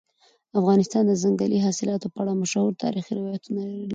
افغانستان د ځنګلي حاصلاتو په اړه مشهور تاریخي روایتونه لري.